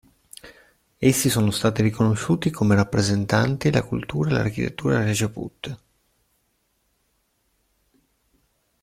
Essi sono stati riconosciuti come rappresentanti la cultura e l'architettura Rajput.